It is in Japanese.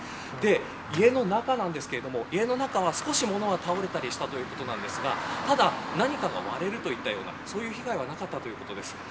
家の中ですが家の中は、少し物が倒れたりしたということですが何かが割れるといったようなそういった被害はなかったということです。